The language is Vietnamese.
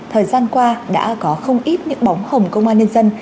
thời gian qua đã có không ít những bóng hồng công an nhân dân